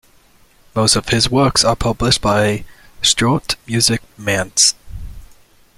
Most of his works are published by Schott Music, Mainz.